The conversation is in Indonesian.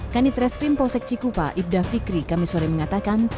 kanitres pimposek cikupa ibda fikri kamisore mengatakan